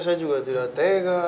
saya juga tidak tega